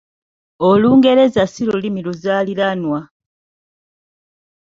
Olungereza si Lulimi luzaaliranwa.